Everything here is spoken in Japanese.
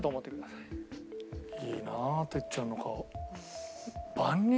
いいなあ哲ちゃんの顔。